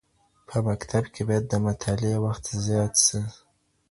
په مکتب کي باید د مطالعې وخت زیات سي.